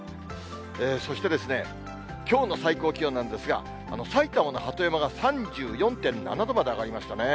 そしてきょうの最高気温なんですが、埼玉の鳩山が３４．７度まで上がりましたね。